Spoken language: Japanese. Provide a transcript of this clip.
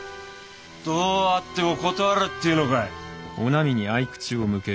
どうあっても断るっていうのかい。